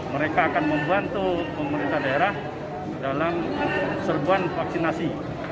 mereka akan membantu pemerintah daerah dalam serbuan vaksinasi